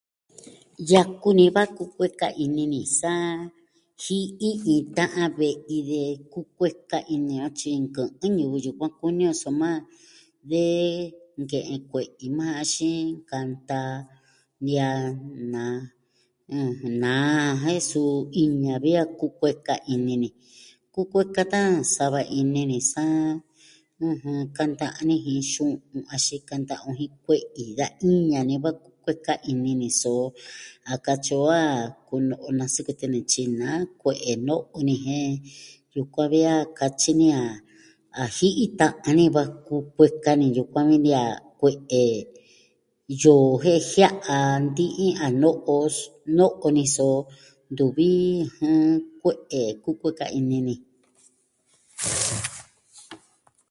Yaku ni va kukueka ini ni sa ji'i iin ta'an ve'i de kukueka ini axin nkɨ'ɨn ñivɨ yukuan kuni o, soma de nke'en kue'i majan axin kanta, ni a, na... naa jen suu iña vi a kukueka ini ni. Kukueka tan sava ini ni sa kanta a nijin xu'un axin kanta o jin kue'i, da iña ni va kukueka ini ni, so, a katyi o a kunu on nasikitɨ ni tyi naa kue'e no'o ni jen yukuan vi a katyi ni a ji'i ta'an ni va kukueka ni yukuan vi de a kue'e yoo jen jia'a nti'in a no'o, no'o ni so ntuvi kue'e kukueka ini ni.